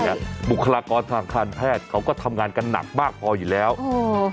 บุคลากรทางการแพทย์เขาก็ทำงานกันหนักมากพออยู่แล้วเออ